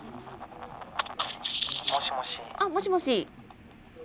あっもしもし。